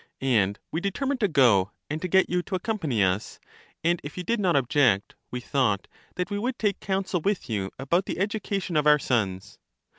And we determined to go, and to get you to accompany us, and if you did not object, we thought that we would take counsel with you about the education of our sons.